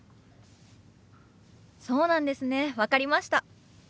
そうなんですね分かりました。